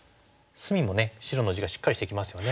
隅もね白の地がしっかりしてきますよね。